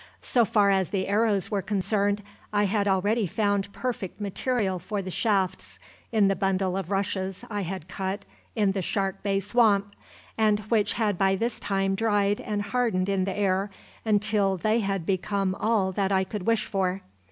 So far as the arrows were concerned, I had already found perfect material for the shafts in the bundle of rushes I had cut in the Shark Bay swamp, and which had by this time dried and hardened in the air until they had become all that I could wish for.